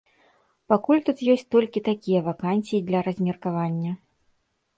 Пакуль тут ёсць толькі такія вакансіі для размеркавання.